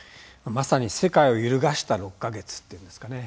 まさに世界を揺るがした６か月というんですかね。